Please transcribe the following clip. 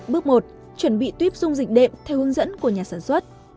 bước một chuẩn bị tuyếp dung dịch đệm theo hướng dẫn của nhà sản xuất